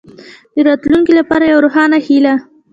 د راتلونکې لپاره یوه روښانه هیله.